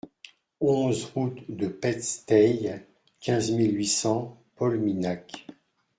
onze route de Pesteils, quinze mille huit cents Polminhac